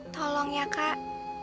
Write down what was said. tolong ya kak